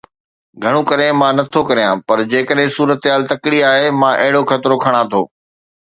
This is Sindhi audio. گهڻو ڪري مان نه ٿو ڪريان. پر جيڪڏهن صورتحال تڪڙي آهي، مان اهڙو خطرو کڻان ٿو.